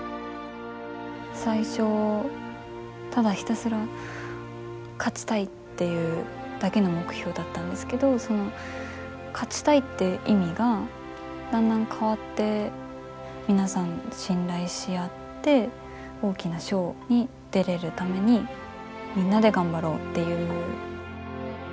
最初ただひたすら勝ちたいっていうだけの目標だったんですけどその勝ちたいっていう意味がだんだん変わって皆さん信頼し合って大きな賞に出れるためにみんなで頑張ろうっていう。